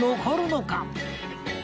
残るのか？